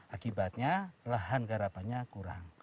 akibatnya lahan garapannya kurang